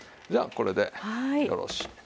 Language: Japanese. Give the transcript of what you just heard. じゃあこれでよろしい。